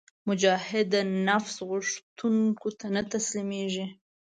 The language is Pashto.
مجاهد د نفس غوښتنو ته نه تسلیمیږي.